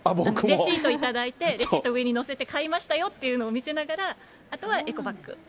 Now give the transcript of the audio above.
レシート頂いて、上に載せて、買いましたよっていうのを見せながら、あとはエコバッグ。